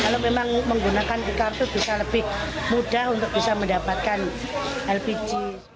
kalau memang menggunakan e kartu bisa lebih mudah untuk bisa mendapatkan lpg